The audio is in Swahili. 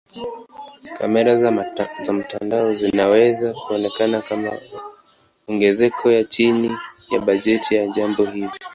Kamera za mtandao zinaweza kuonekana kama ongezeko ya chini ya bajeti ya jambo hili.